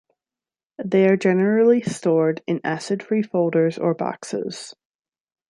They are generally stored in acid-free folders or boxes.